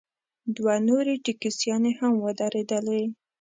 دوه نورې ټیکسیانې هم ودرېدلې.